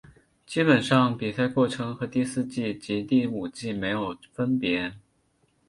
基本上比赛过程和第四季及第五季没有分别。